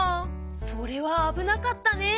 それは危なかったね。